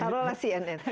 ya kalau lah cnn